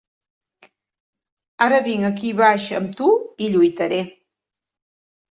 Ara vinc aquí baix amb tu i lluitaré.